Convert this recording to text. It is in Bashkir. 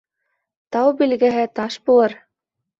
Тау билгеһе таш булыр